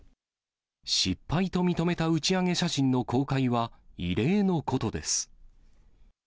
失敗と認めた打ち上げ写真の公開は、異例のことです。